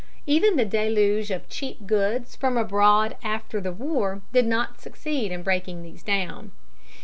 Even the deluge of cheap goods from abroad after the war did not succeed in breaking these down.